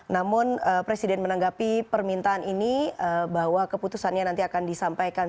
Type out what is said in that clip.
namun presiden menanggapi permintaan ini bahwa keputusannya nanti akan disampaikan